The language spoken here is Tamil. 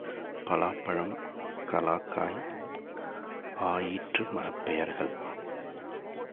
பலாப்பழம், களாக்காய் ஆ ஈற்று மரப் பெயர்கள்.